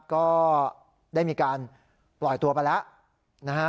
ก็ได้มีการปล่อยตัวไปแล้วนะฮะ